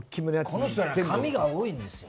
この人紙が多いんですよ。